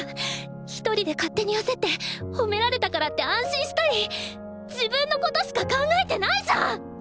ひとりで勝手に焦って褒められたからって安心したり自分のことしか考えてないじゃん！